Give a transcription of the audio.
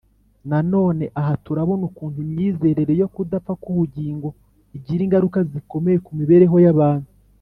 nanone aha turabona ukuntu imyizerere yo kudapfa k’ubugingo igira ingaruka zikomeye ku mibereho y’abantu.